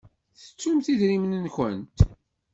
Tettumt idrimen-nkent?